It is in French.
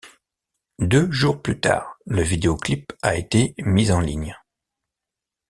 Deux jours plus tard, le vidéo clip a été mis en ligne.